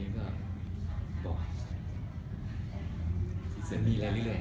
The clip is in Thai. กี่เรื่อง